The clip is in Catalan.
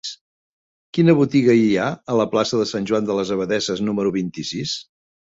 Quina botiga hi ha a la plaça de Sant Joan de les Abadesses número vint-i-sis?